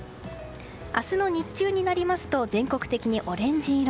明日の日中になりますと全国的にオレンジ色。